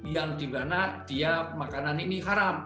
yang dimana dia makanan ini haram